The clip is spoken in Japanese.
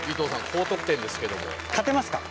高得点ですけども勝てますか？